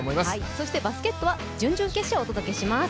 そして、バスケットは準々決勝をお届けします。